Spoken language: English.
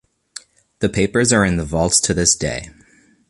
The papers are in the vaults to this day.